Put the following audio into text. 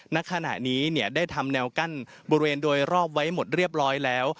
ณขณะนี้ได้ทำแนวกั้นบริเวณโดยรอบไว้หมดเรียบร้อยแล้ว